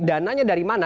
dananya dari mana